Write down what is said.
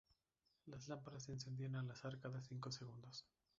Las lámparas se encendían al azar cada cinco segundos.